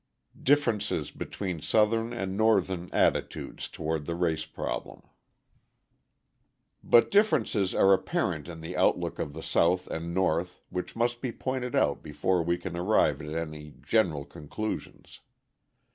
Differences Between Southern and Northern Attitudes Toward the Race Problem But differences are apparent in the outlook of the South and North which must be pointed out before we can arrive at any general conclusions.